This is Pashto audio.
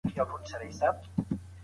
تیره لسیزه کي اقتصادي خوځښت ډیر کمزوری و.